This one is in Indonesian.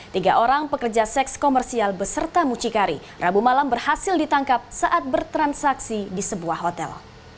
tiga orang pekerja seks komersial beserta mucikari rabu malam berhasil ditangkap saat bertransaksi di sebuah hotel